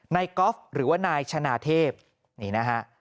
ก๊อฟหรือว่านายชนะเทพนี่นะฮะ